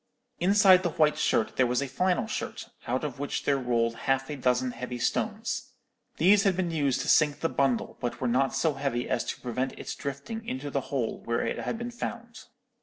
Inside the white shirt there was a flannel shirt, out of which there rolled half a dozen heavy stones. These had been used to sink the bundle, but were not so heavy as to prevent its drifting into the hole where it had been found.